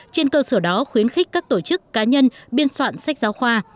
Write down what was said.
trên cơ sở đó khuyến khích các tổ chức cá nhân biên soạn sách giáo khoa